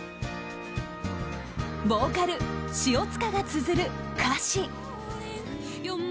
ボーカル塩塚がつづる歌詞。